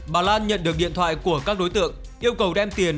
bà lan nhận được điện thoại của các đối tượng yêu cầu đem tiền